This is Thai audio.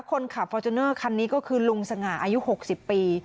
คนขับฟอร์จูเนอร์คันนี้ก็คือลุงสง่าอายุ๖๐ปี